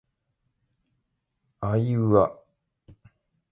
あいうあ